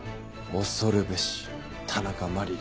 恐るべし田中麻理鈴。